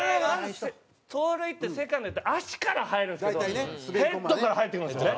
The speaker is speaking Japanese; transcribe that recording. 盗塁ってセカンド足から入るんですけどヘッドから入っていくんですよね。